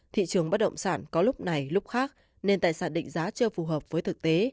thị trường bất động sản có lúc này lúc khác nên tài sản định giá chưa phù hợp với thực tế